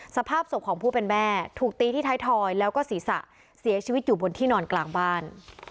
สภาพศพของผู้เป็นแม่ถูกตีที่ท้ายทอยแล้วก็ศีรษะเสียชีวิตอยู่บนที่นอนกลางบ้าน